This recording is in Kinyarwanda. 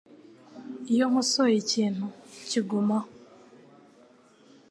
Iyo nkosoye ikintu, kigumaho.